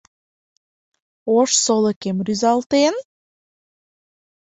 Ош солыкем рӱзалтен?